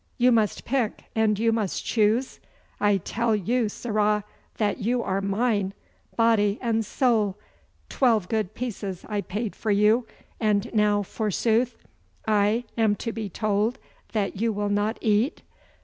You must pick and you must choose! I tell you, sirrah, that you are mine, body and soul! Twelve good pieces I paid for you, and now, forsooth, I am to be told that you will not eat!